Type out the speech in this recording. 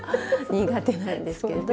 苦手なんですけど。